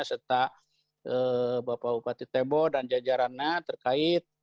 serta bapak bupati tebo dan jajarannya terkait